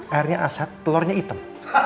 airnya asat telurnya hitam